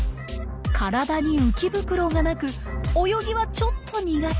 体に浮き袋がなく泳ぎはちょっと苦手。